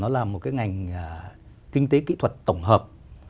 là một ngành kinh tế kỹ thuật tổng hợp